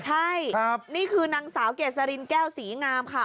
ใช่นี่คือนางสาวเกษรินแก้วศรีงามค่ะ